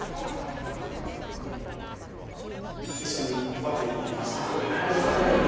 一緒に刃牙を見ました。